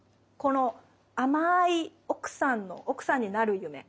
この甘い奥さんの奥さんになる夢。